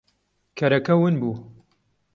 کەرەکە ون بوو.